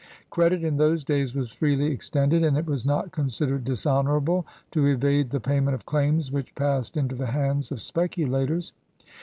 Credit in those days was freely extended, and it was not considered dishonorable to evade the payment of claims which passed into the hands of speculators.